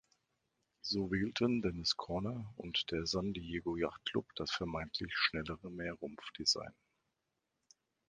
So wählten Dennis Conner und der San Diego Yacht Club das vermeintlich schnellere Mehrrumpf-Design.